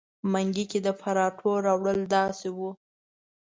منګي کې د پراټو راوړل داسې وو.